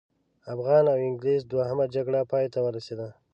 افغان او انګلیس دوهمه جګړه پای ته ورسېده.